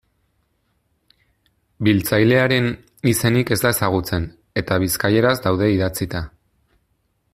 Biltzailearen izenik ez da ezagutzen, eta bizkaieraz daude idatzita.